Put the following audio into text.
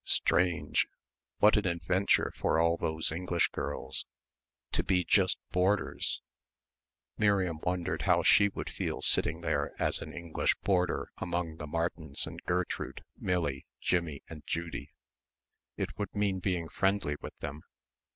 strange what an adventure for all those English girls to be just boarders Miriam wondered how she would feel sitting there as an English boarder among the Martins and Gertrude, Millie, Jimmie and Judy? It would mean being friendly with them.